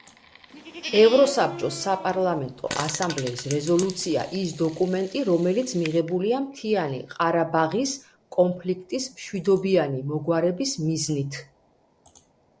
ევროსაბჭოს საპარლამენტო ასამბლეის რეზოლუცია ის დოკუმენტი, რომელიც მიღებულია მთიანი ყარაბაღის კონფლიქტის მშვიდობიანი მოგვარების მიზნით.